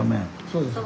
そうです。